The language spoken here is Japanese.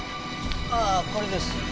ああこれです。